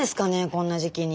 こんな時期に。